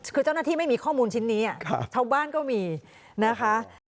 คือเจ้าหน้าที่ไม่มีข้อมูลชิ้นนี้ชาวบ้านก็มีนะคะ